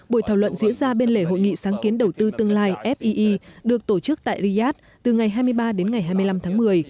buổi thảo luận diễn ra bên lề hội nghị sáng kiến đầu tư tương lai fee được tổ chức tại riyadh từ ngày hai mươi ba đến ngày hai mươi năm tháng một mươi